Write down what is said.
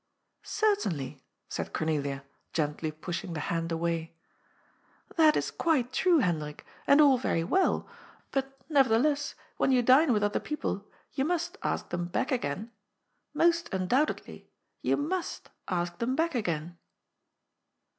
"Certainly," said Cornelia, gently pushing the hand away. "That is quite true, Hendrik, and all very well. Ig2 GOD'S POOL. But, neyertheless, when yon dine with other people, yon must ask them back again* Most undoubtedly, yon must ask them back again.''